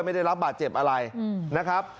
ไม่ได้รับบาดเจ็บอะไรนะครับ